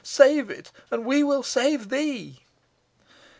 Save it, and we will save thee."